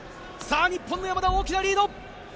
日本の山田、大きなリード。